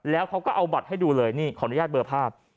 แล้วเขาก็เอาบัตรให้ดูเลยนี่ขออนุญาตเบอร์ภาพ